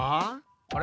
あれ？